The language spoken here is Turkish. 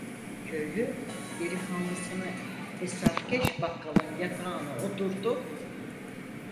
Köylü delikanlısını esrarkeş bakkalın yatağına oturtup: